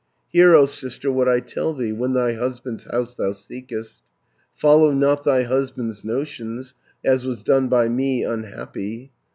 "Hear, O sister, what I tell thee, When thy husband's house thou seekest, Follow not thy husband's notions, As was done by me unhappy.